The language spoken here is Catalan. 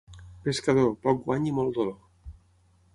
Pescador, poc guany i molt dolor.